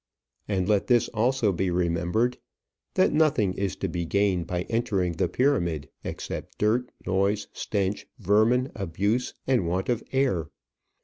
And let this also be remembered, that nothing is to be gained by entering the pyramid except dirt, noise, stench, vermin, abuse, and want of air.